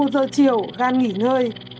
một giờ chiều gan nghỉ ngơi